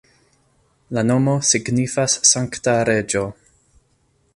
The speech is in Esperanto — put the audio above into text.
La nomo signifas sankta reĝo.